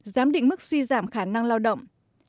giám định mức suy giảm khả năng lao động